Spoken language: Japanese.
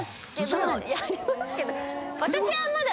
⁉ありますけど。